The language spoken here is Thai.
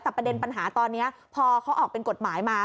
แต่ประเด็นปัญหาตอนนี้พอเขาออกเป็นกฎหมายมา